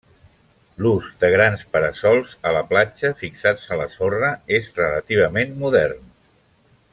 L'ús de grans para-sols a la platja, fixats a la sorra, és relativament modern.